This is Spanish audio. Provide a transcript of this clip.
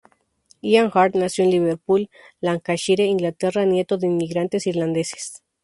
Ian Hart nació en Liverpool, Lancashire, Inglaterra, nieto de inmigrantes irlandeses.